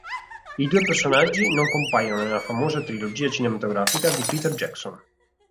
I due personaggi non compaiono nella famosa trilogia cinematografica di Peter Jackson.